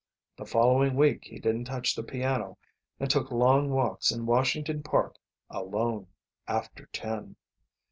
The following week he didn't touch the piano and took long walks in Washington Park, alone, after ten.